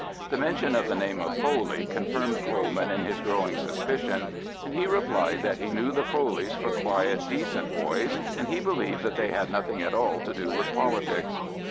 The mention of the name of Foley confirmed Coleman in his growing suspicion, and he replied that he knew the Foleys for quiet decent boys, and he believed that they had nothing at all to do with politics.